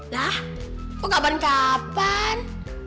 lah oh kapan kapan